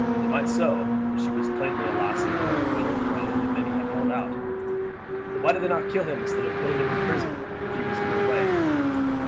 "They might so; but she was plainly a lassie who had a will of her own and may have held out." "But why did they not kill him instead of putting him in prison if he was in their way?"